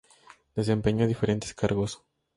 Desempeñó diferentes cargos.